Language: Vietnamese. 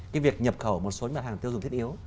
cái việc nhập khẩu một số mặt hàng tiêu dùng thiết yếu